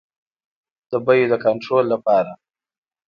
د بیو د کنټرول لپاره.